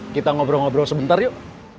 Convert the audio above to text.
kita ngobrol ngobrol sebentar yuk